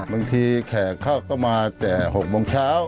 บางทีแขกเข้าต่อมาแต่๖โมงเช้า